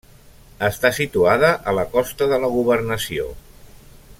Està situada a la costa de la governació.